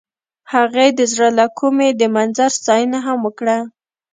هغې د زړه له کومې د منظر ستاینه هم وکړه.